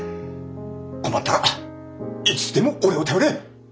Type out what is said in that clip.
困ったらいつでも俺を頼れ！